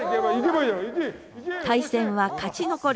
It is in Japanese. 対戦は勝ち残り。